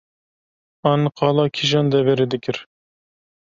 an qala kîjan deverê dikir